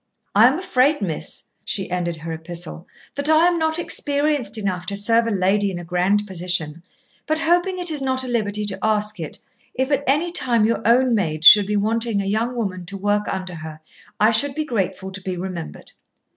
"I am afraid, miss," she ended her epistle, "that I am not experienced enough to serve a lady in a grand position, but hoping it is not a liberty to ask it, if at any time your own maid should be wanting a young woman to work under her, I should be grateful to be remembered.